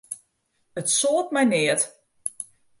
It soalt my neat.